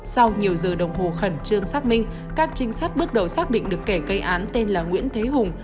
sau nhiều giờ đồng hồ khẩn trương xác minh các trinh sát bước đầu xác định được kẻ gây án tên là nguyễn thế hùng